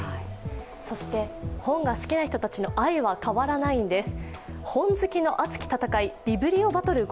そして本が好きな人たちの愛は変わらないんです。